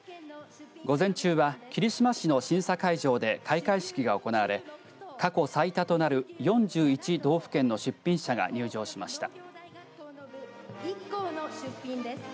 午前中は霧島市の審査会場で開会式が行われ過去最多となる４１道府県の出品者が入場しました。